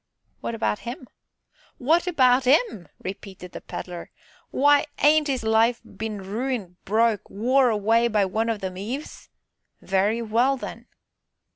"What about him?" "What about 'im!" repeated the Pedler; "w'y, ain't 'is life been ruined, broke, wore away by one o' them Eves? very well then!"